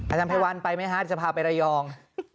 อาจารย์ภัยวัลไปไหมฮะจะพาไประยอง